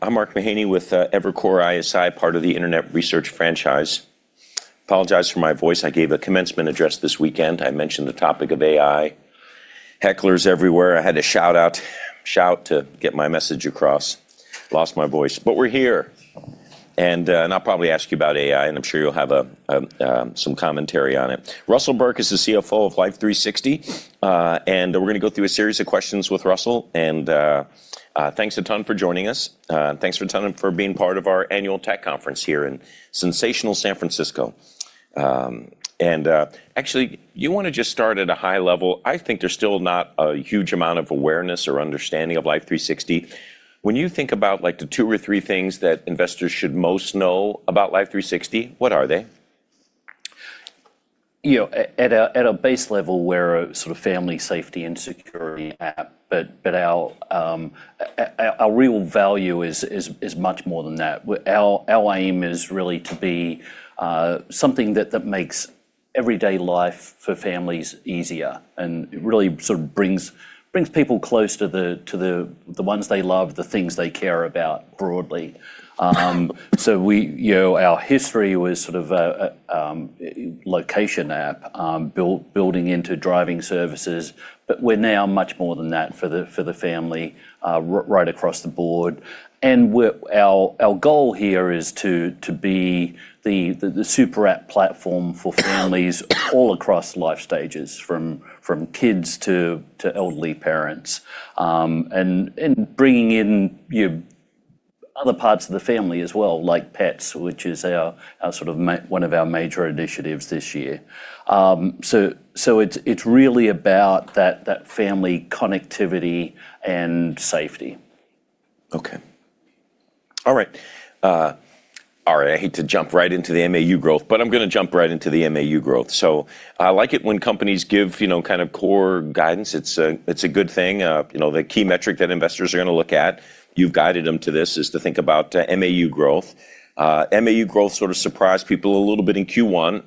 I'm Mark Mahaney with Evercore ISI, part of the Internet Research Franchise. Apologize for my voice. I gave a commencement address this weekend. I mentioned the topic of AI. Hecklers everywhere, I had to shout to get my message across. Lost my voice. We're here, and I'll probably ask you about AI, and I'm sure you'll have some commentary on it. Russell Burke is the CFO of Life360, and we're going to go through a series of questions with Russell. Thanks a ton for joining us. Thanks a ton for being part of our annual tech conference here in sensational San Francisco. Actually, you want to just start at a high level. I think there's still not a huge amount of awareness or understanding of Life360. When you think about the two or three things that investors should most know about Life360, what are they? At a base level, we're a family safety and security app. Our real value is much more than that. Our aim is really to be something that makes everyday life for families easier. It really brings people close to the ones they love, the things they care about broadly. Our history was a location app, building into driving services. We're now much more than that for the family right across the board. Our goal here is to be the super app platform for families all across life stages, from kids to elderly parents. Bringing in other parts of the family as well, like pets, which is one of our major initiatives this year. It's really about that family connectivity and safety. Okay. All right. I hate to jump right into the MAU growth, but I'm going to jump right into the MAU growth. I like it when companies give core guidance. It's a good thing. The key metric that investors are going to look at, you've guided them to this, is to think about MAU growth. MAU growth sort of surprised people a little bit in Q1.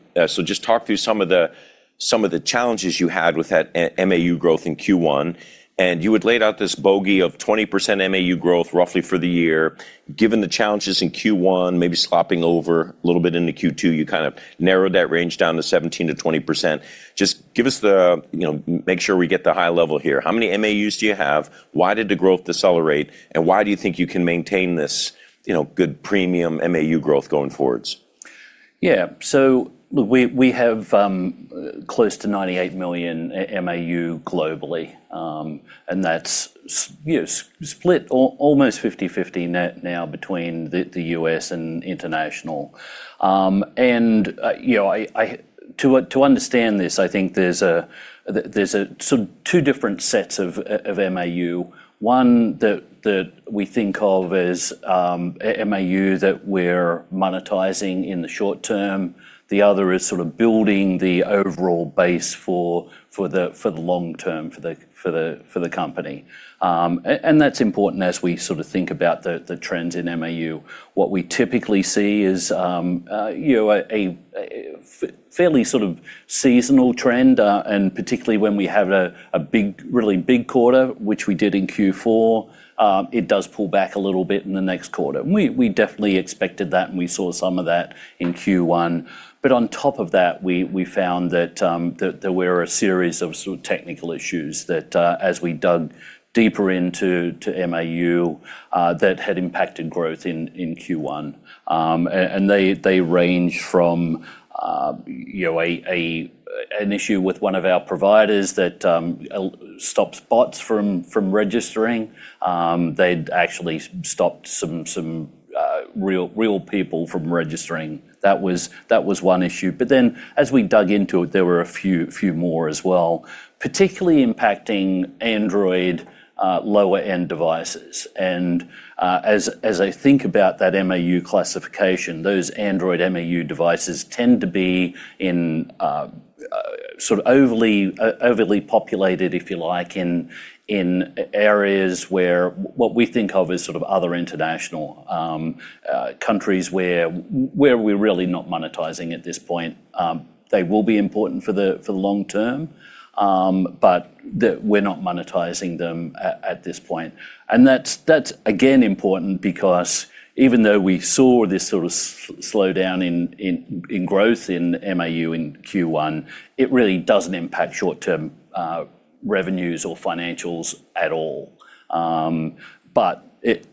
Just talk through some of the challenges you had with that MAU growth in Q1. You had laid out this bogey of 20% MAU growth roughly for the year. Given the challenges in Q1, maybe slopping over a little bit into Q2, you kind of narrowed that range down to 17%-20%. Just make sure we get the high level here. How many MAUs do you have? Why did the growth decelerate, and why do you think you can maintain this good premium MAU growth going forwards? Yeah. We have close to 98 million MAU globally. That's split almost 50/50 now between the U.S. and international. To understand this, I think there's two different sets of MAU. One that we think of as MAU that we're monetizing in the short term. The other is building the overall base for the long term for the company. That's important as we think about the trends in MAU. What we typically see is a fairly seasonal trend, and particularly when we have a really big quarter, which we did in Q4, it does pull back a little bit in the next quarter, and we definitely expected that, and we saw some of that in Q1. On top of that, we found that there were a series of technical issues that as we dug deeper into MAU, that had impacted growth in Q1. They range from an issue with one of our providers that stops bots from registering. They'd actually stopped some real people from registering. That was one issue. As we dug into it, there were a few more as well, particularly impacting Android lower-end devices. As I think about that MAU classification, those Android MAU devices tend to be overly populated, if you like, in areas where what we think of as other international countries where we're really not monetizing at this point. They will be important for the long term, but we're not monetizing them at this point. That's again important because even though we saw this sort of slowdown in growth in MAU in Q1, it really doesn't impact short-term revenues or financials at all.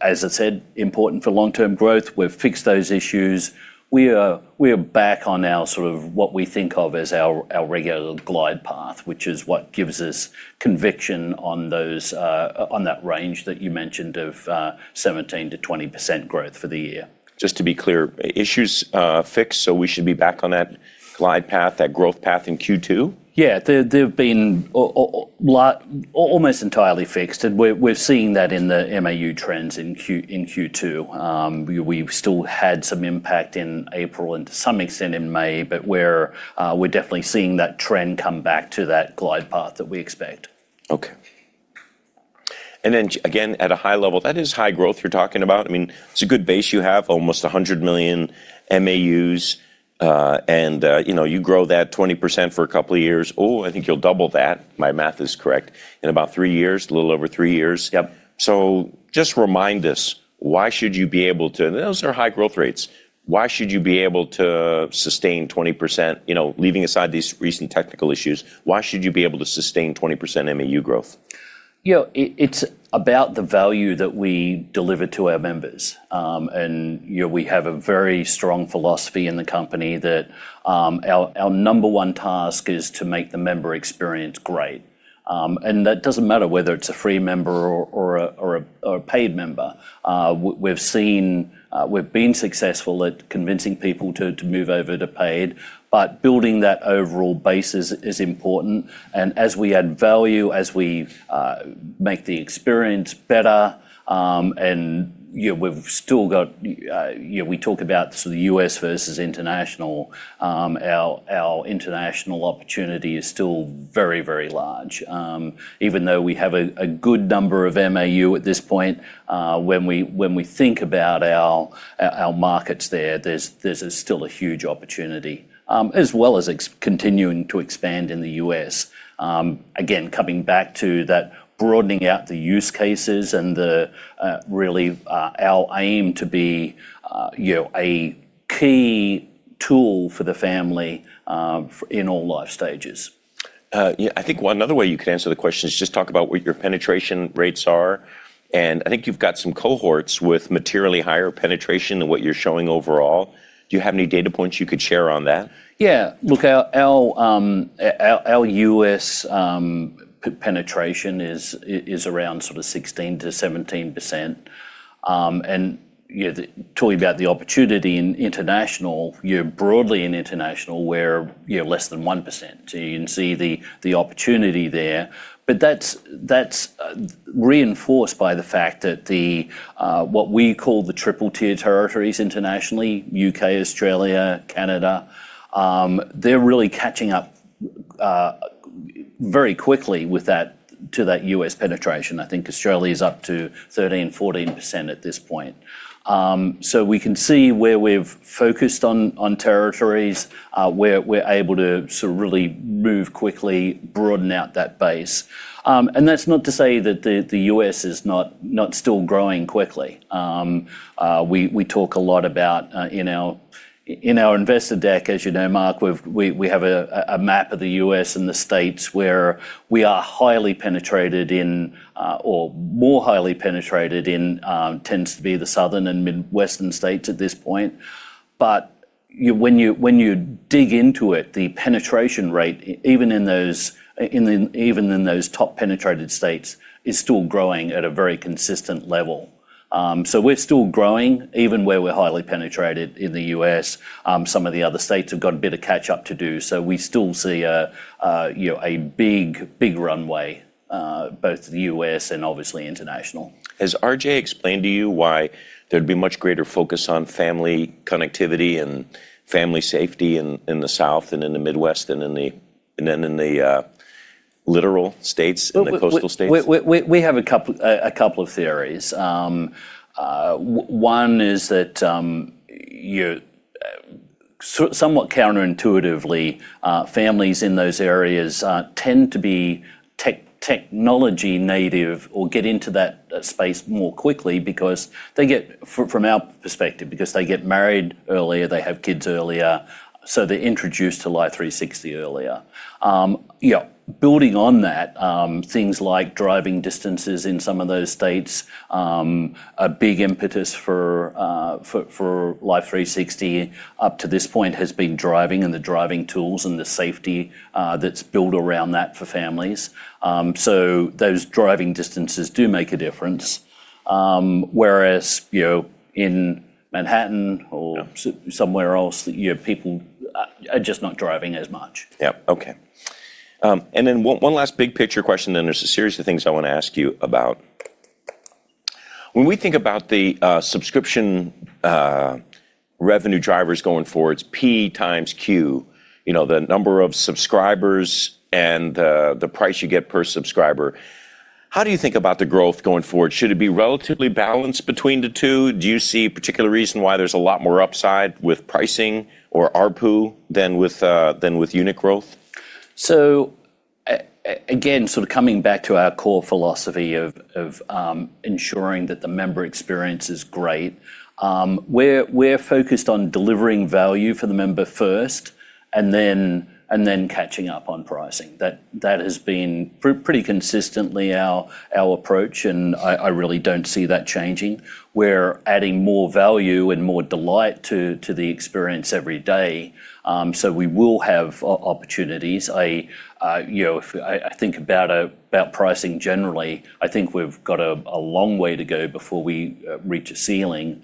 As I said, important for long-term growth. We've fixed those issues. We are back on our sort of what we think of as our regular glide path, which is what gives us conviction on that range that you mentioned of 17%-20% growth for year. Just to be clear, issues fixed, we should be back on that glide path, that growth path in Q2? Yeah. They've been almost entirely fixed, and we're seeing that in the MAU trends in Q2. We've still had some impact in April and to some extent in May, but we're definitely seeing that trend come back to that glide path that we expect. Okay. Again, at a high level, that is high growth you're talking about. It's a good base you have, almost 100 million MAUs, you grow that 20% for a couple of years. Oh, I think you'll double that, my math is correct, in about three years. A little over three years. Yep. Just remind us. Those are high growth rates. Why should you be able to sustain 20%? Leaving aside these recent technical issues, why should you be able to sustain 20% MAU growth? It's about the value that we deliver to our members. We have a very strong philosophy in the company that our number one task is to make the member experience great. That doesn't matter whether it's a free member or a paid member. We've been successful at convincing people to move over to paid, but building that overall base is important. As we add value, as we make the experience better, and we talk about the U.S. versus international, our international opportunity is still very large. Even though we have a good number of MAU at this point, when we think about our markets there's still a huge opportunity. As well as continuing to expand in the U.S. Again, coming back to that broadening out the use cases and really our aim to be a key tool for the family in all life stages. Yeah. I think another way you could answer the question is just talk about what your penetration rates are, and I think you've got some cohorts with materially higher penetration than what you're showing overall. Do you have any data points you could share on that? Yeah. Look, our U.S. penetration is around sort of 16%-17%. Talking about the opportunity in international, broadly in international we're less than 1%. You can see the opportunity there. That's reinforced by the fact that what we call the triple-tier territories internationally, U.K., Australia, Canada, they're really catching up very quickly to that U.S. penetration. I think Australia's up to 13%-14% at this point. We can see where we've focused on territories where we're able to really move quickly, broaden out that base. That's not to say that the U.S. is not still growing quickly. We talk a lot about in our investor deck, as you know, Mark, we have a map of the U.S. and the states where we are highly penetrated in or more highly penetrated in tends to be the Southern and Midwestern states at this point. When you dig into it, the penetration rate, even in those top penetrated states, is still growing at a very consistent level. We're still growing even where we're highly penetrated in the U.S. Some of the other states have got a bit of catch-up to do, so we still see a big runway, both the U.S. and obviously international. Has RJ explained to you why there'd be much greater focus on family connectivity and family safety in the South and in the Midwest than in the littoral states, in the coastal states? We have a couple of theories. One is that somewhat counterintuitively, families in those areas tend to be technology native or get into that space more quickly because, from our perspective, because they get married earlier, they have kids earlier, so they're introduced to Life360 earlier. Building on that, things like driving distances in some of those states, a big impetus for Life360 up to this point has been driving and the driving tools and the safety that's built around that for families. Those driving distances do make a difference. Whereas, in Manhattan or somewhere else, people are just not driving as much. Yep. Okay. One last big picture question, then there's a series of things I want to ask you about. When we think about the subscription revenue drivers going forward, it's P times Q, the number of subscribers and the price you get per subscriber. How do you think about the growth going forward? Should it be relatively balanced between the two? Do you see a particular reason why there's a lot more upside with pricing or ARPU than with unit growth? Again, coming back to our core philosophy of ensuring that the member experience is great, we're focused on delivering value for the member first and then catching up on pricing. That has been pretty consistently our approach, and I really don't see that changing, where adding more value and more delight to the experience every day, so we will have opportunities. I think about pricing generally, I think we've got a long way to go before we reach a ceiling.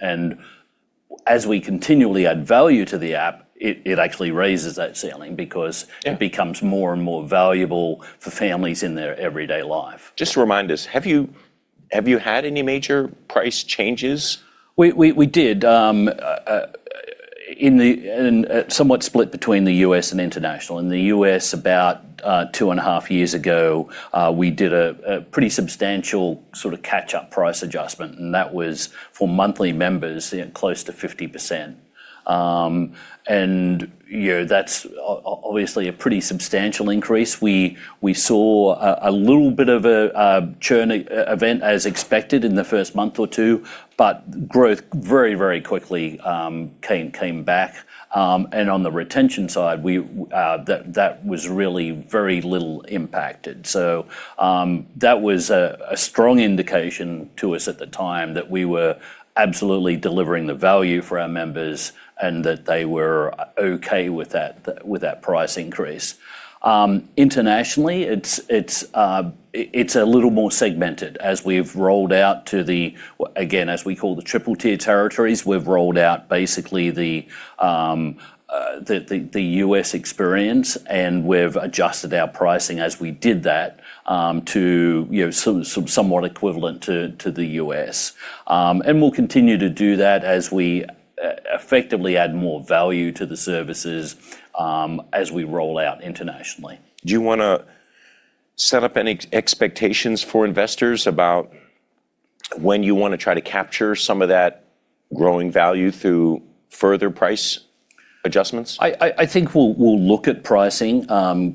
As we continually add value to the app, it actually raises that ceiling. Yeah Because it becomes more and more valuable for families in their everyday life. Just remind us, have you had any major price changes? We did. Somewhat split between the U.S. and international. In the U.S., about two and a half years ago, we did a pretty substantial sort of catch-up price adjustment, and that was for monthly members, close to 50%. Yeah, that's obviously a pretty substantial increase. We saw a little bit of a churn event as expected in the first month or two, but growth very quickly came back. On the retention side, that was really very little impacted. That was a strong indication to us at the time that we were absolutely delivering the value for our members, and that they were okay with that price increase. Internationally, it's a little more segmented as we've rolled out to the, again, as we call the Triple Tier territories, we've rolled out basically the U.S. experience, and we've adjusted our pricing as we did that, to somewhat equivalent to the U.S. We'll continue to do that as we effectively add more value to the services, as we roll out internationally. Do you want to set up any expectations for investors about when you want to try to capture some of that growing value through further price adjustments? I think we'll look at pricing,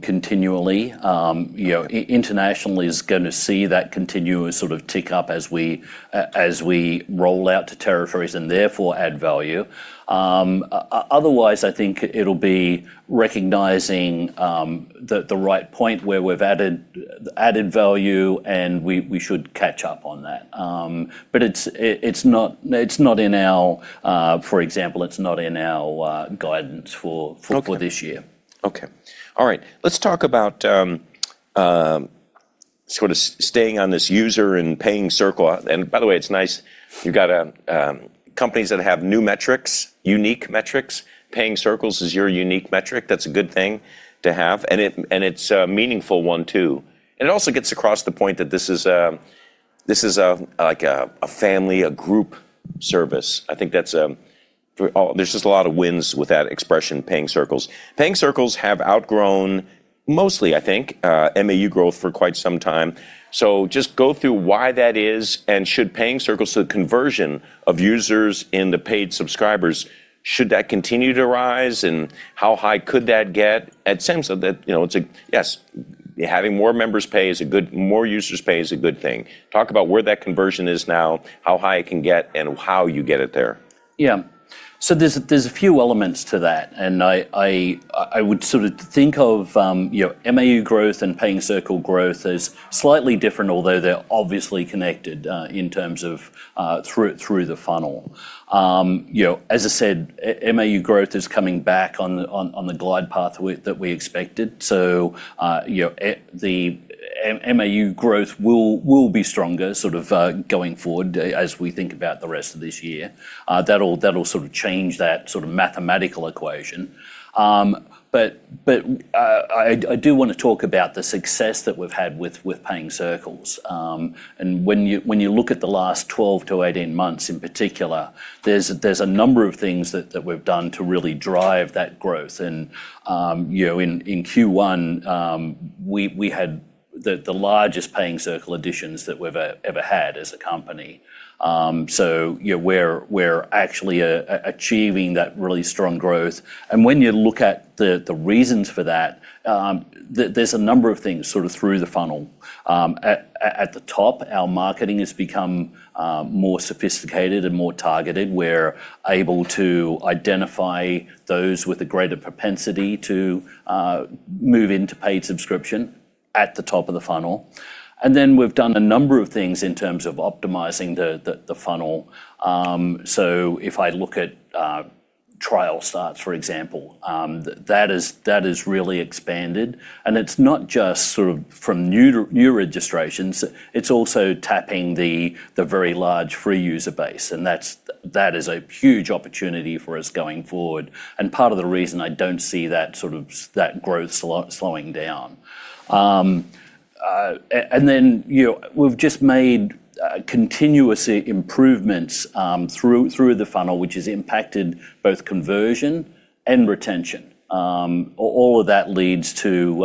continually. Internationally is going to see that continuous sort of tick up as we roll out to territories and therefore add value. Otherwise, I think it'll be recognizing the right point where we've added value and we should catch up on that. It's not in our, for example, it's not in our guidance for this year. Okay. All right. Let's talk about, sort of staying on this user and Paying Circle. It's nice you've got companies that have new metrics, unique metrics. Paying Circles is your unique metric. That's a good thing to have, and it's a meaningful one, too. It also gets across the point that this is like a family, a group service. I think there's just a lot of wins with that expression, Paying Circles. Paying Circles have outgrown mostly, I think, MAU growth for quite some time. Just go through why that is, and should Paying Circles, the conversion of users into paid subscribers, should that continue to rise? How high could that get at sense of it? Yes. Having more members pay, more users pay is a good thing. Talk about where that conversion is now, how high it can get, and how you get it there. There's a few elements to that, and I would sort of think of MAU growth and Paying Circles growth as slightly different, although they're obviously connected in terms of through the funnel. As I said, MAU growth is coming back on the glide path that we expected. The MAU growth will be stronger sort of going forward as we think about the rest of this year. That'll sort of change that sort of mathematical equation. I do want to talk about the success that we've had with Paying Circles. When you look at the last 12 to 18 months, in particular, there's a number of things that we've done to really drive that growth. In Q1, we had the largest Paying Circles additions that we've ever had as a company. We're actually achieving that really strong growth. When you look at the reasons for that, there's a number of things sort of through the funnel. At the top, our marketing has become more sophisticated and more targeted. We're able to identify those with a greater propensity to move into paid subscription at the top of the funnel. We've done a number of things in terms of optimizing the funnel. If I look at trial starts, for example, that has really expanded. It's not just sort of from new registrations, it's also tapping the very large free user base, and that is a huge opportunity for us going forward, and part of the reason I don't see that sort of growth slowing down. We've just made continuous improvements through the funnel, which has impacted both conversion and retention. All of that leads to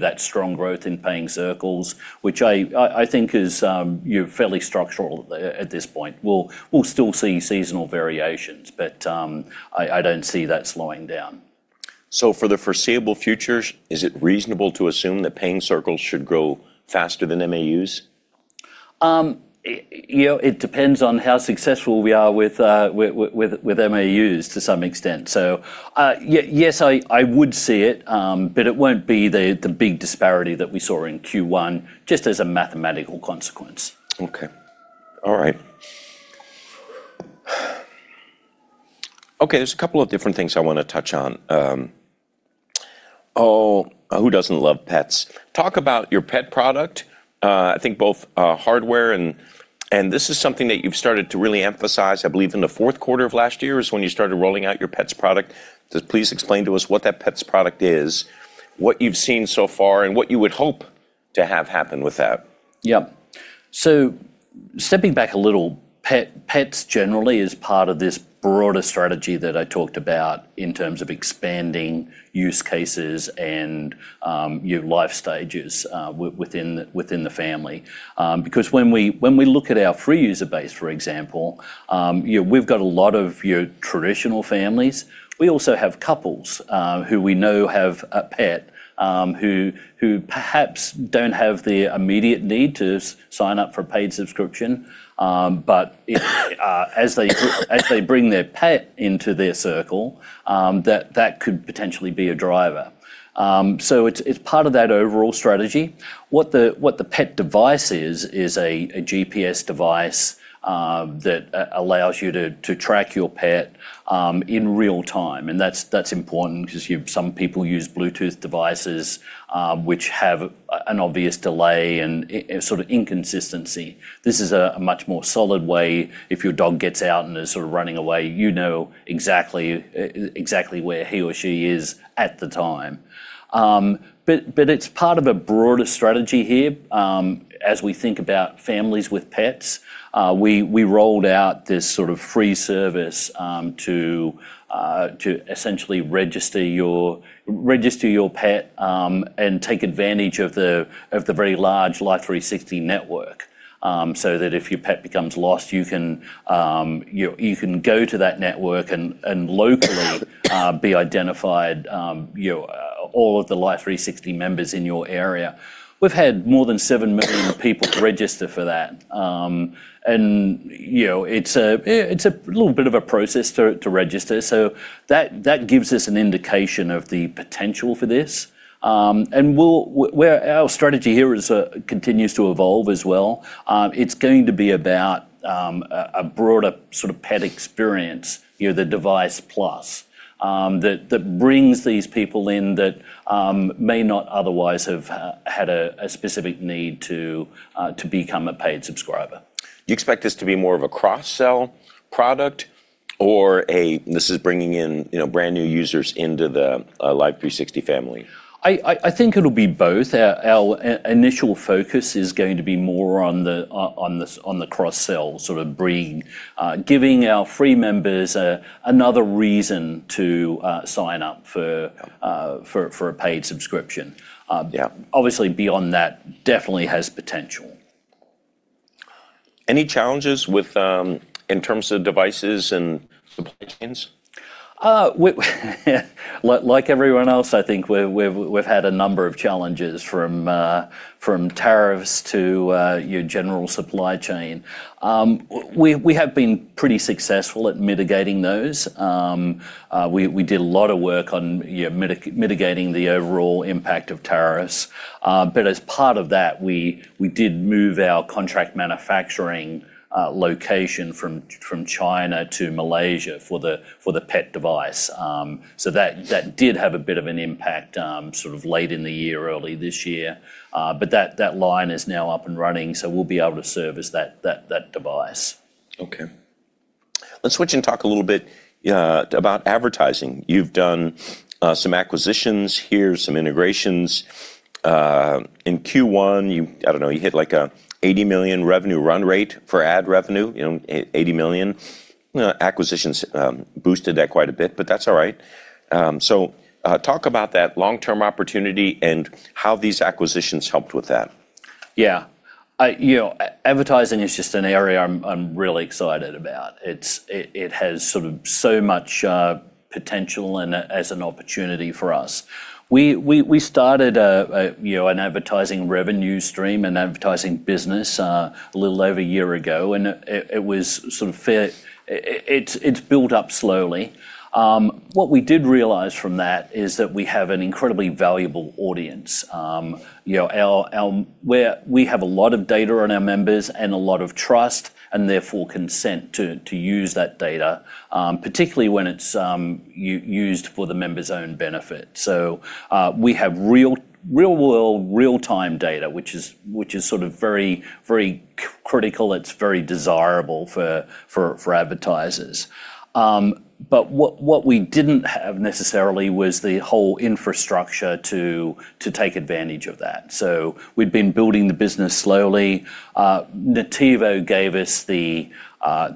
that strong growth in Paying Circles, which I think is fairly structural at this point. We'll still see seasonal variations, but I don't see that slowing down. For the foreseeable futures, is it reasonable to assume that Paying Circles should grow faster than MAUs? It depends on how successful we are with MAUs to some extent. Yes, I would see it, but it won't be the big disparity that we saw in Q1, just as a mathematical consequence. Okay. All right. Okay. There's a couple of different things I want to touch on. Oh, who doesn't love pets? Talk about your pet product. I think both hardware and this is something that you've started to really emphasize, I believe, in the fourth quarter of last year is when you started rolling out your pets product. Just please explain to us what that pets product is, what you've seen so far, and what you would hope to have happen with that. Yeah. Stepping back a little, pets generally is part of this broader strategy that I talked about in terms of expanding use cases and your life stages within the family. When we look at our free user base, for example, we've got a lot of your traditional families. We also have couples who we know have a pet, who perhaps don't have the immediate need to sign up for a paid subscription. As they bring their pet into their circle, that could potentially be a driver. It's part of that overall strategy. What the pet device is a GPS device that allows you to track your pet in real time. That's important because some people use Bluetooth devices, which have an obvious delay and sort of inconsistency. This is a much more solid way if your dog gets out and is sort of running away, you know exactly where he or she is at the time. It's part of a broader strategy here. As we think about families with pets, we rolled out this sort of free service to essentially register your pet, and take advantage of the very large Life360 network, so that if your pet becomes lost, you can go to that network and locally be identified all of the Life360 members in your area. We've had more than 7 million people register for that. It's a little bit of a process to register, so that gives us an indication of the potential for this. Our strategy here continues to evolve as well. It's going to be about a broader sort of pet experience, the device plus, that brings these people in that may not otherwise have had a specific need to become a paid subscriber. Do you expect this to be more of a cross-sell product or this is bringing in brand-new users into the Life360 family? I think it'll be both. Our initial focus is going to be more on the cross-sell, sort of giving our free members another reason to sign up for a paid subscription. Yeah. Obviously, beyond that, definitely has potential. Any challenges in terms of devices and supply chains? Like everyone else, I think, we've had a number of challenges from tariffs to your general supply chain. We have been pretty successful at mitigating those. We did a lot of work on mitigating the overall impact of tariffs. As part of that, we did move our contract manufacturing location from China to Malaysia for the pet device. That did have a bit of an impact sort of late in the year, early this year. That line is now up and running, so we'll be able to service that device. Okay. Let's switch and talk a little bit about advertising. You've done some acquisitions here, some integrations. In Q1, I don't know, you hit like a $80 million revenue run rate for ad revenue, $80 million. Acquisitions boosted that quite a bit, but that's all right. Talk about that long-term opportunity and how these acquisitions helped with that. Advertising is just an area I'm really excited about. It has sort of so much potential and as an opportunity for us. We started an advertising revenue stream, an advertising business, a little over a year ago, and it's built up slowly. What we did realize from that is that we have an incredibly valuable audience. We have a lot of data on our members and a lot of trust, and therefore consent to use that data, particularly when it's used for the member's own benefit. We have real world, real-time data, which is sort of very critical. It's very desirable for advertisers. What we didn't have necessarily was the whole infrastructure to take advantage of that. We've been building the business slowly. Nativo gave us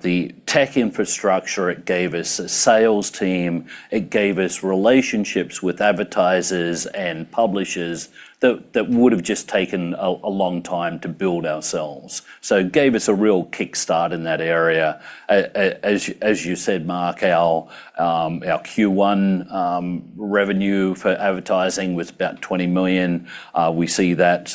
the tech infrastructure, it gave us a sales team, it gave us relationships with advertisers and publishers that would've just taken a long time to build ourselves. It gave us a real kickstart in that area. As you said, Mark, our Q1 revenue for advertising was about $20 million. We see that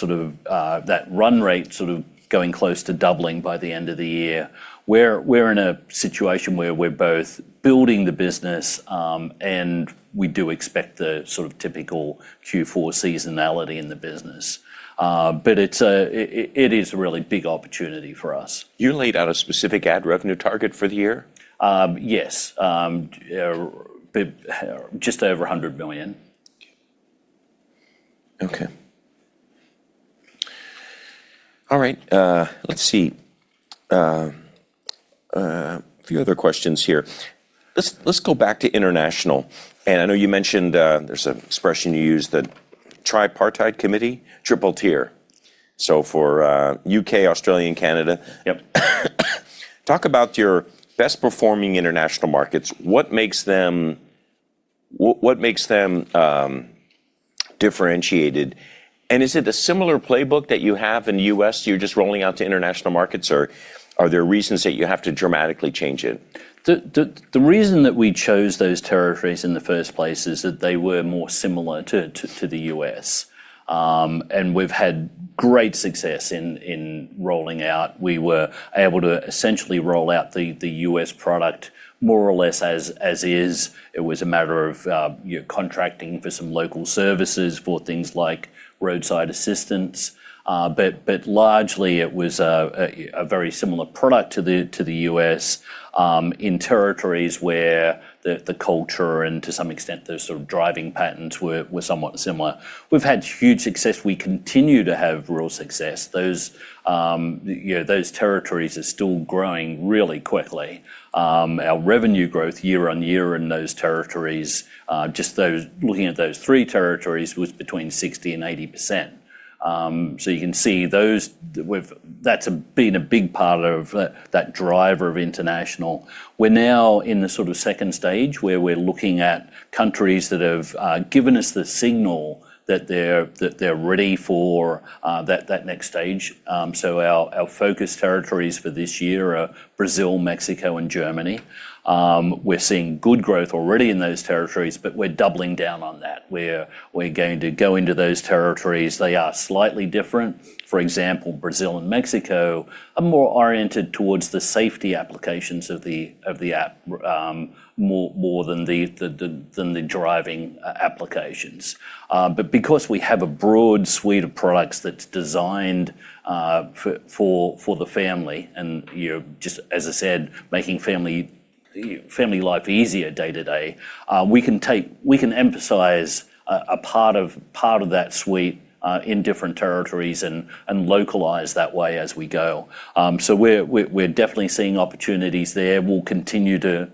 run rate sort of going close to doubling by the end of the year. We're in a situation where we're both building the business, and we do expect the sort of typical Q4 seasonality in the business. It is a really big opportunity for us. You laid out a specific ad revenue target for the year? Yes. Just over $100 million. Okay. All right. Let's see. A few other questions here. Let's go back to international. I know you mentioned, there's an expression you used, the triple tier. For U.K., Australia, and Canada. Yep. Talk about your best performing international markets. What makes them differentiated, and is it a similar playbook that you have in the U.S., you're just rolling out to international markets, or are there reasons that you have to dramatically change it? The reason that we chose those territories in the first place is that they were more similar to the U.S. We've had great success in rolling out. We were able to essentially roll out the U.S. product more or less as is. It was a matter of contracting for some local services for things like roadside assistance. Largely it was a very similar product to the U.S., in territories where the culture and to some extent, the sort of driving patterns were somewhat similar. We've had huge success. We continue to have real success. Those territories are still growing really quickly. Our revenue growth year-over-year in those territories, just looking at those three territories, was between 60% and 80%. You can see that's been a big part of that driver of international. We're now in the sort of 2nd stage where we're looking at countries that have given us the signal that they're ready for that next stage. Our focus territories for this year are Brazil, Mexico, and Germany. We're seeing good growth already in those territories, but we're doubling down on that. We're going to go into those territories. They are slightly different. For example, Brazil and Mexico are more oriented towards the safety applications of the app, more than the driving applications. Because we have a broad suite of products that's designed for the family and, just as I said, making family life easier day to day, we can emphasize a part of that suite in different territories and localize that way as we go. We're definitely seeing opportunities there. We'll continue to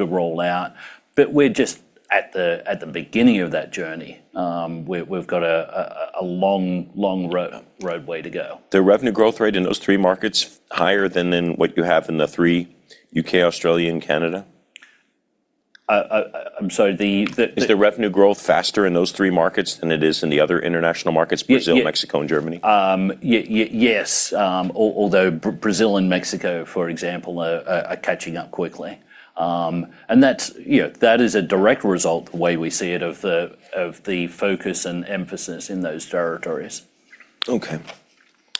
roll out. We're just at the beginning of that journey. We've got a long road way to go. The revenue growth rate in those three markets higher than in what you have in the three, U.K., Australia and Canada? I'm sorry, Is the revenue growth faster in those three markets than it is in the other international markets, Brazil, Mexico and Germany? Yes. Although Brazil and Mexico, for example, are catching up quickly. That is a direct result, the way we see it, of the focus and emphasis in those territories. Okay.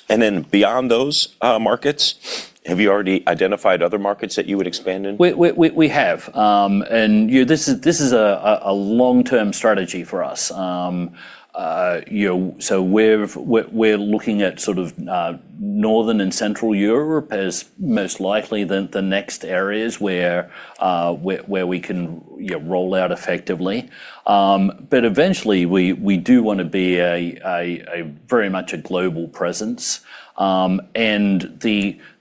Beyond those markets, have you already identified other markets that you would expand in? We have. This is a long-term strategy for us. We're looking at sort of Northern and Central Europe as most likely the next areas where we can roll out effectively. Eventually, we do want to be very much a global presence.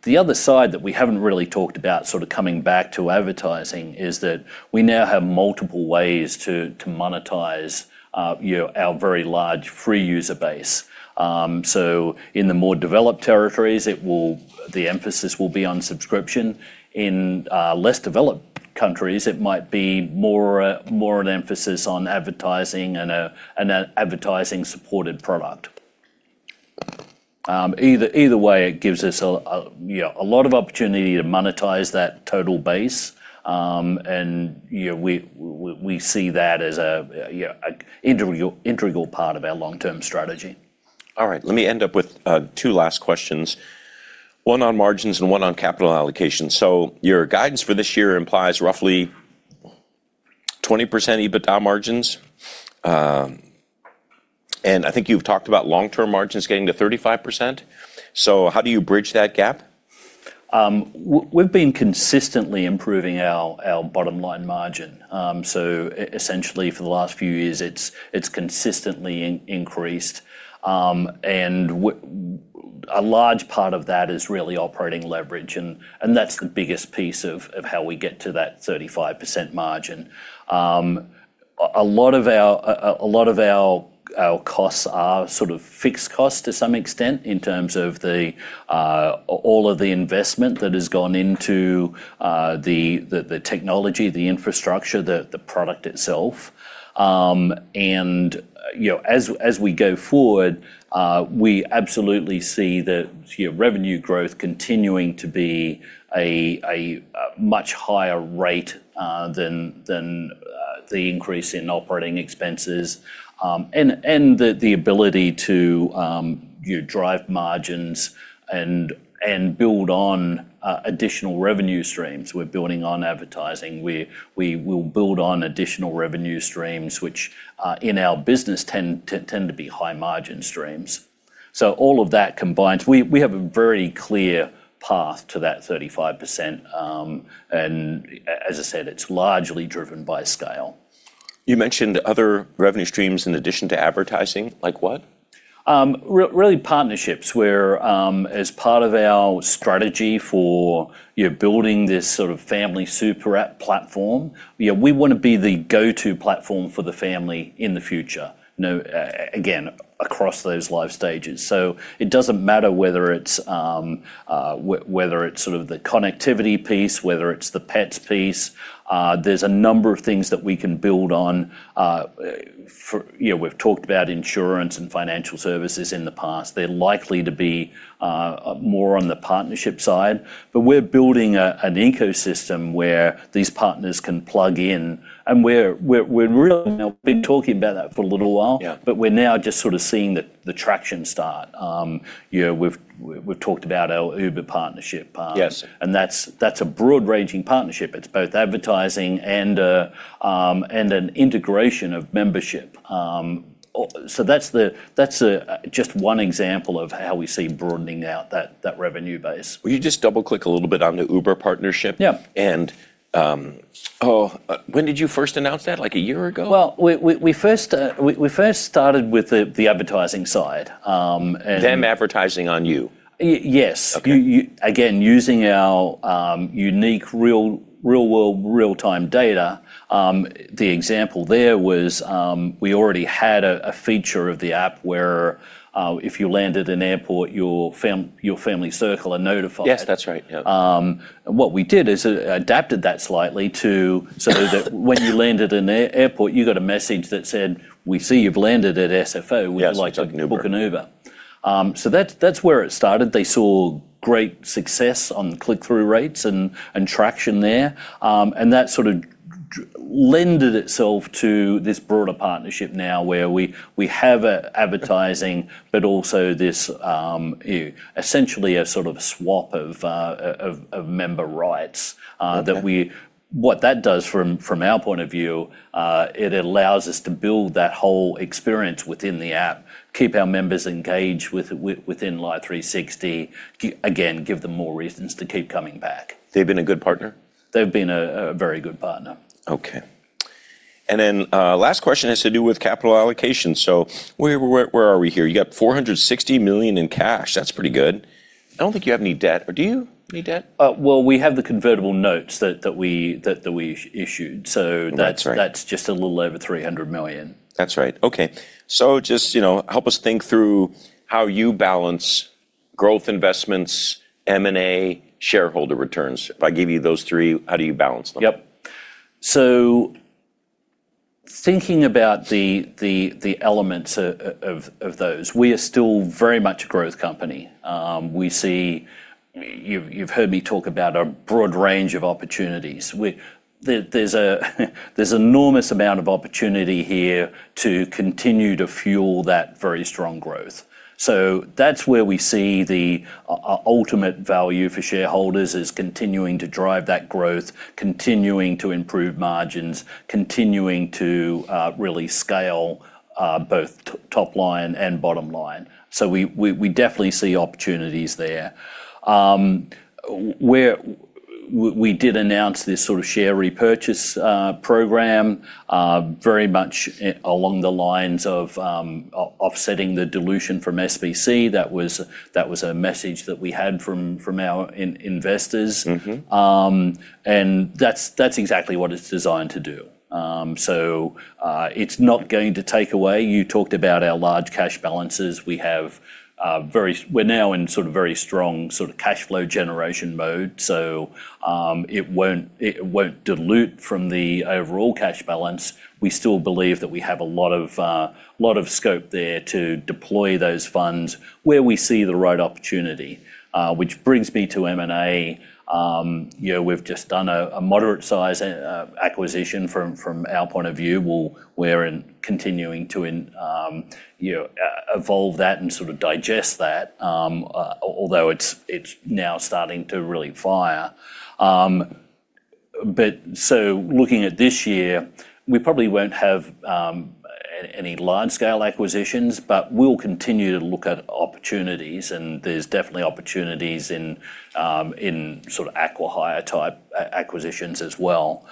The other side that we haven't really talked about, sort of coming back to advertising, is that we now have multiple ways to monetize our very large free user base. In the more developed territories, the emphasis will be on subscription. In less developed countries, it might be more an emphasis on advertising and an advertising-supported product. Either way, it gives us a lot of opportunity to monetize that total base. We see that as an integral part of our long-term strategy. All right. Let me end up with two last questions, one on margins and one on capital allocation. Your guidance for this year implies roughly 20% EBITDA margins. I think you've talked about long-term margins getting to 35%. How do you bridge that gap? We've been consistently improving our bottom-line margin. Essentially for the last few years, it's consistently increased. A large part of that is really operating leverage, and that's the biggest piece of how we get to that 35% margin. A lot of our costs are sort of fixed costs to some extent in terms of all of the investment that has gone into the technology, the infrastructure, the product itself. As we go forward, we absolutely see the revenue growth continuing to be a much higher rate than the increase in operating expenses, and the ability to drive margins and build on additional revenue streams. We're building on advertising. We will build on additional revenue streams, which, in our business, tend to be high margin streams. All of that combines. We have a very clear path to that 35%, and as I said, it's largely driven by scale. You mentioned other revenue streams in addition to advertising. Like what? Really partnerships, where as part of our strategy for building this sort of family super app platform, we want to be the go-to platform for the family in the future, again, across those life stages. It doesn't matter whether it's the connectivity piece, whether it's the pets piece, there's a number of things that we can build on. We've talked about insurance and financial services in the past. They're likely to be more on the partnership side. We're building an ecosystem where these partners can plug in, and we've been talking about that for a little while. Yeah. We're now just sort of seeing the traction start. We've talked about our Uber partnership. Yes. That's a broad-ranging partnership. It's both advertising and an integration of membership. That's just one example of how we see broadening out that revenue base. Will you just double-click a little bit on the Uber partnership? Yeah. When did you first announce that, like a year ago? Well, we first started with the advertising side. Them advertising on you? Yes. Okay. Using our unique real-world, real-time data, the example there was we already had a feature of the app where if you landed an airport, your family circle are notified. Yes, that's right. Yeah. What we did is adapted that slightly to so that when you landed in the airport, you got a message that said, "We see you've landed at SFO. Yes. Would you like to book an Uber?" That's where it started. They saw great success on the click-through rates and traction there. That sort of lent itself to this broader partnership now where we have advertising, but also essentially a sort of swap of member rights. Okay. What that does from our point of view, it allows us to build that whole experience within the app, keep our members engaged within Life360. Again, give them more reasons to keep coming back. They've been a good partner? They've been a very good partner. Okay. Last question has to do with capital allocation. Where are we here? You got $460 million in cash. That's pretty good. I don't think you have any debt, or do you? Any debt? Well, we have the convertible notes that we issued. That's right. That's just a little over $300 million. That's right. Okay. Just help us think through how you balance growth investments, M&A, shareholder returns. If I give you those three, how do you balance them? Yep. Thinking about the elements of those, we are still very much a growth company. You've heard me talk about a broad range of opportunities. There's enormous amount of opportunity here to continue to fuel that very strong growth. That's where we see the ultimate value for shareholders is continuing to drive that growth, continuing to improve margins, continuing to really scale both top line and bottom line. We definitely see opportunities there. We did announce this sort of share repurchase program, very much along the lines of offsetting the dilution from SBC. That was a message that we had from our investors. That's exactly what it's designed to do. It's not going to take away, you talked about our large cash balances. We're now in very strong cash flow generation mode. It won't dilute from the overall cash balance. We still believe that we have a lot of scope there to deploy those funds where we see the right opportunity, which brings me to M&A. We've just done a moderate size acquisition from our point of view. We're continuing to evolve that and sort of digest that, although it's now starting to really fire. Looking at this year, we probably won't have any large-scale acquisitions, but we'll continue to look at opportunities, and there's definitely opportunities in acqui-hire type acquisitions as well.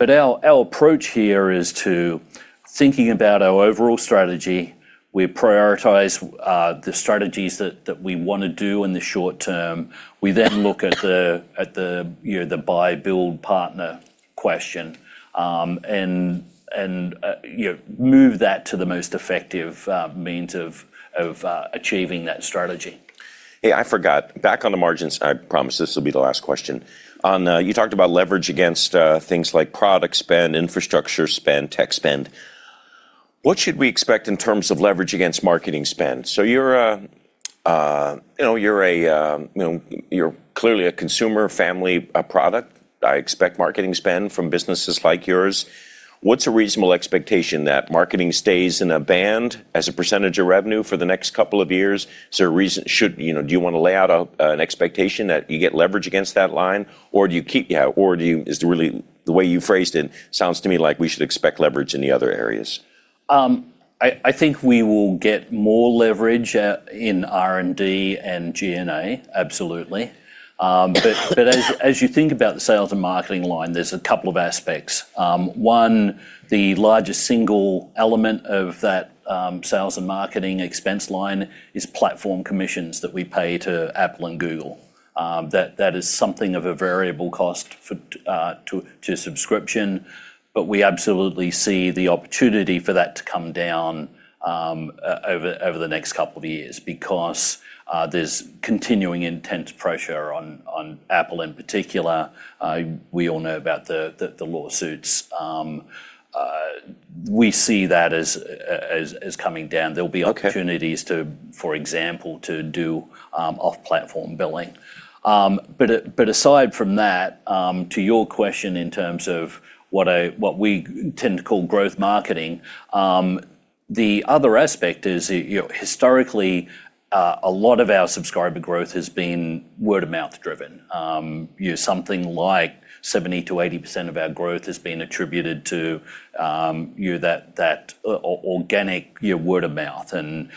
Our approach here is to thinking about our overall strategy. We prioritize the strategies that we want to do in the short term. We then look at the buy, build, partner question, and move that to the most effective means of achieving that strategy. Hey, I forgot. Back on the margins, I promise this will be the last question. You talked about leverage against things like product spend, infrastructure spend, tech spend. What should we expect in terms of leverage against marketing spend? You're clearly a consumer family product. I expect marketing spend from businesses like yours. What's a reasonable expectation that marketing stays in a band as a percentage of revenue for the next couple of years? Do you want to lay out an expectation that you get leverage against that line, or is the way you phrased it sounds to me like we should expect leverage in the other areas. I think we will get more leverage in R&D and G&A, absolutely. As you think about the sales and marketing line, there's two aspects. One, the largest single element of that sales and marketing expense line is platform commissions that we pay to Apple and Google. That is something of a variable cost to subscription. We absolutely see the opportunity for that to come down over the next two years because there's continuing intense pressure on Apple in particular. We all know about the lawsuits. We see that as coming down. Okay. There'll be opportunities, for example, to do off-platform billing. Aside from that, to your question in terms of what we tend to call growth marketing, the other aspect is, historically, a lot of our subscriber growth has been word-of-mouth driven. Something like 70%-80% of our growth has been attributed to that organic word of mouth, and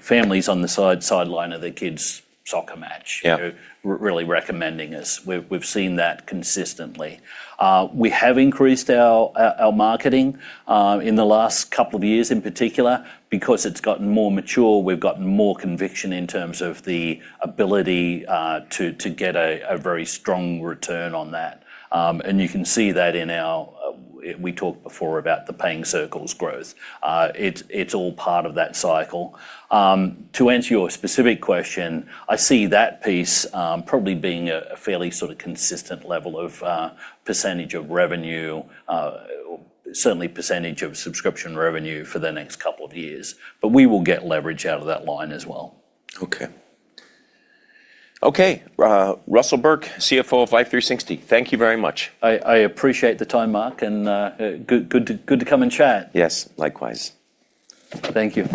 families on the sideline of their kids' soccer match. Yeah We are really recommending us. We've seen that consistently. We have increased our marketing in the last couple of years in particular because it's gotten more mature. We've gotten more conviction in terms of the ability to get a very strong return on that. You can see that in our, we talked before about the Paying Circles growth. It's all part of that cycle. To answer your specific question, I see that piece probably being a fairly consistent level of percentage of revenue, certainly percentage of subscription revenue for the next couple of years. We will get leverage out of that line as well. Okay. Russell Burke, CFO of Life360. Thank you very much. I appreciate the time, Mark, good to come and chat. Yes, likewise. Thank you.